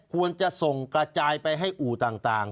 ควรจะส่งกระจายไปให้อู่ต่าง